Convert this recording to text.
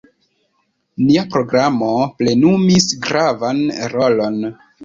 Nia programo plenumis gravan rolon.